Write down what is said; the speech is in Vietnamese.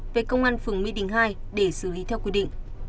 về công an phường mỹ đình hai để xử lý theo quy định